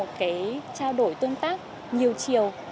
tôi cảm thấy đó là một cái trao đổi tương tác nhiều chiều và nó rất là thú vị